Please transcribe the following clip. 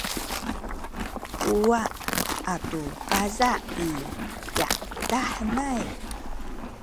kuwa’ atu paza’ i yadah henay